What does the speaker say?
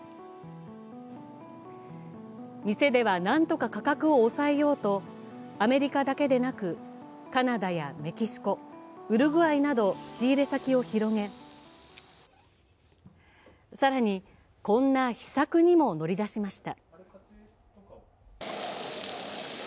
店では何とか価格を抑えようとアメリカだけでなくカナダやメキシコ、ウルグアイなど仕入れ先を広げ、更に、こんな秘策にも乗り出しました。